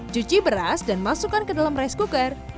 cuci beras dan masukkan ke dalam rice cooker